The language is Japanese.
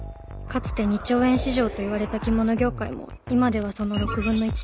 かつて２兆円市場といわれた着物業界も今ではその６分の１程度。